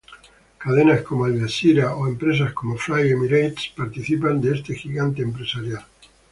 Cadenas como "Al-Jazeera" o empresas como "Fly Emirates" participan de este gigante empresarial.